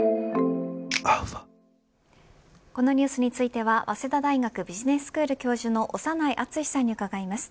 このニュースについては早稲田大学ビジネススクール教授の長内厚さんに伺います。